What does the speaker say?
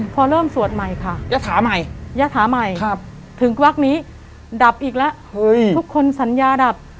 พอเริ่มสวดใหม่ค่ะยะถาใหม่ยะถาใหม่ถึงวักนี้ดับอีกแล้วทุกคนสัญญาดับ